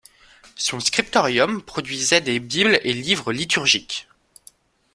Son scriptorium produisait des bibles et livres liturgiques.